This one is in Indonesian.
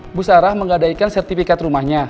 ibu sarah menggadaikan sertifikat rumahnya